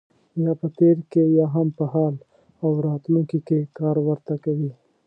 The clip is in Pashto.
یا په تېر کې یا هم په حال او راتلونکي کې کار ورته کوي.